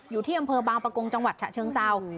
อยู่ที่อำเภอบางประกงจังหวัดฉะเชิงเศร้า